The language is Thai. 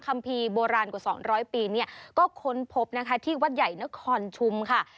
คัมภีร์โบราณกว่า๒๐๐ปีก็ค้นพบที่วัดใหญ่นครชุมค่ะ